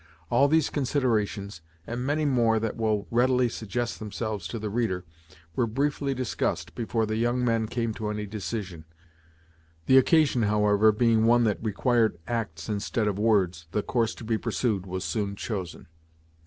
All these considerations, and many more that will readily suggest themselves to the reader, were briefly discussed before the young men came to any decision. The occasion, however, being one that required acts instead of words, the course to be pursued was soon chosen.